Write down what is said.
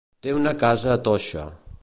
Té una casa a Toixa.